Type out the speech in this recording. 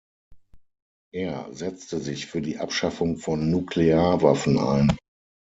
Er setzte sich für die Abschaffung von Nuklearwaffen ein.